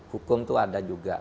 hukum itu ada juga